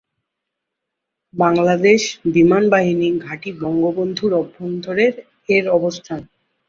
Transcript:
বাংলাদেশ বিমান বাহিনী ঘাঁটি বঙ্গবন্ধুর অভ্যন্তরে এর অবস্থান।